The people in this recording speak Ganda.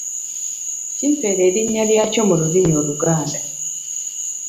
Kimpeere erinnya lyakyo mu lulimi Oluganda.